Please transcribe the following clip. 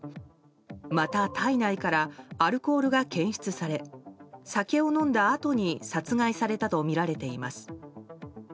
また、体内からアルコールが検出され酒を飲んだあとに殺害されたとみられています。